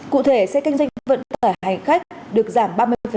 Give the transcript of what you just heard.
cụ thể xe kinh doanh vận tải hành khách được giảm ba mươi